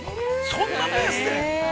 ◆そんなペースで。